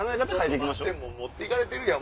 持って行かれてるやん！